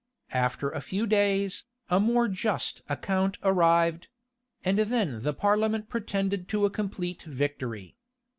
After a few days, a more just account arrived; and then the parliament pretended to a complete victory.